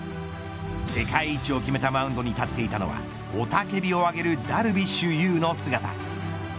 世界一を決めたマウンドに立っていたのは雄たけびをあげるダルビッシュ有の姿。